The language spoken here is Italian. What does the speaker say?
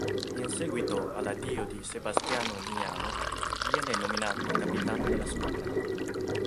In seguito all'addio di Sebastiano Miano viene nominato capitano della squadra.